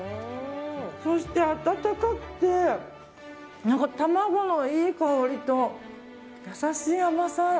そして温かくて何か卵のいい香りと優しい甘さ。